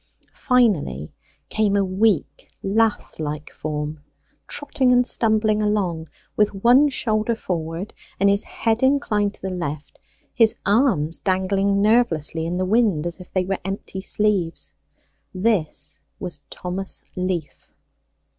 Finally came a weak lath like form, trotting and stumbling along with one shoulder forward and his head inclined to the left, his arms dangling nervelessly in the wind as if they were empty sleeves. This was Thomas Leaf.